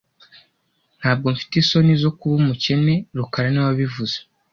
Ntabwo mfite isoni zo kuba umukene rukara niwe wabivuze